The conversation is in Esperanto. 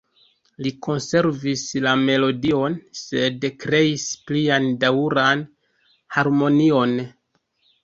Li konservis la melodion, sed kreis plian daŭran harmonion.